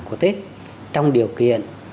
của tết trong điều kiện